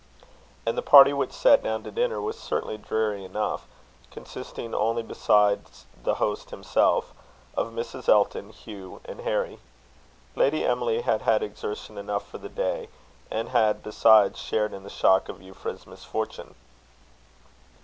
And the party which sat down to dinner was certainly dreary enough, consisting only, besides the host himself, of Mrs. Elton, Hugh, and Harry. Lady Emily had had exertion enough for the day, and had besides shared in the shock of Euphra's misfortune.